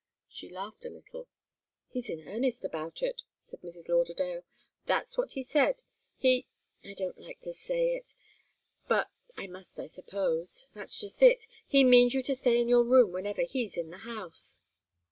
She laughed a little. "He's in earnest about it," said Mrs. Lauderdale. "That's what he said he I don't like to say it but I must, I suppose. That's just it. He means you to stay in your room whenever he's in the house."